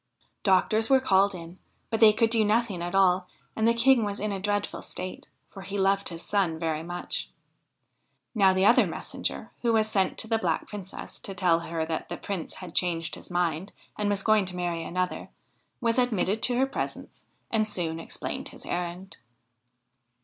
Doctors were called in, but they could do nothing at all, and the King was in a dreadful state, for he loved his son very much. Now the other messenger, who was sent to the Black Princess to tell her that the Prince had changed his mind and was going to marry another, was admitted to her presence and soon explained his errand.